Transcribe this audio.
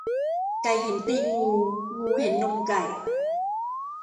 ไก่เห็นตีนงู งูเห็นนมไก่